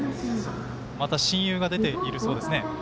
また、親友が出ているそうですね。